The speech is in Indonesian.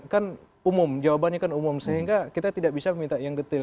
kan umum jawabannya kan umum sehingga kita tidak bisa meminta yang detail